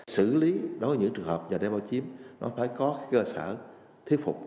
xử lý đối với những trường hợp và đem bảo chiếm nó phải có cơ sở thiết phục